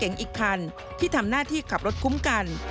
และรถเก่งอีกคันที่ทำหน้าที่ขับรถคุ้มกัน